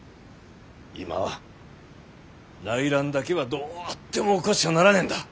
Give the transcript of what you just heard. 今は内乱だけはどうあっても起こしちゃならねえんだ！